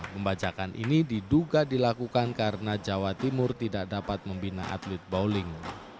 pembajakan ini diduga dilakukan karena jawa timur tidak dapat membina atlet bowling